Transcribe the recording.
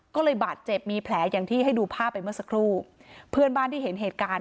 ก็เลยบาดเจ็บมีแผลอย่างที่ให้ดูภาพไปเมื่อสักครู่เพื่อนบ้านที่เห็นเหตุการณ์